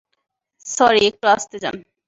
Sorry, - একটু আস্তে যান।